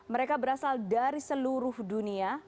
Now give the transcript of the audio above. mereka berasal dari seluruh dunia